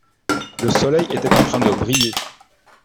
le soleil était en train de briller.